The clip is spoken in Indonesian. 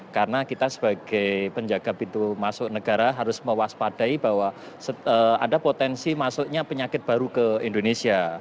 karena kita sebagai penjaga pintu masuk negara harus mewaspadai bahwa ada potensi masuknya penyakit baru ke indonesia